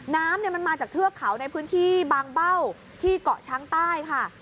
น้ำมันมาจากเทือกเขาในพื้นที่บางเบ้าที่เกาะช้างใต้ค่ะ